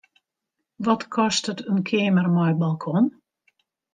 Wat kostet in keamer mei balkon?